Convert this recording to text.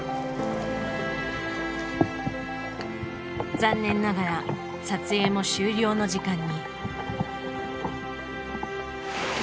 残念ながら撮影も終了の時間に。